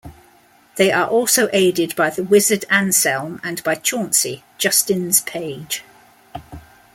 They are also aided by the wizard Anselm and by Chauncey, Justin's page.